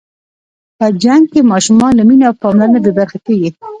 په جنګ کې ماشومان له مینې او پاملرنې بې برخې کېږي.